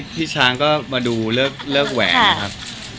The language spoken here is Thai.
พี่ช้างก็มาดูเลิกแหวนครับ